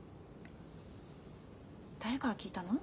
誰から聞いたの？